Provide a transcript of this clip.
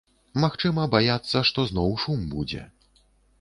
Магчыма, баяцца, што зноў шум будзе.